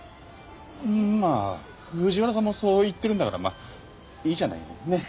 まあ藤原さんもそう言ってるんだからまっいいじゃないねっ？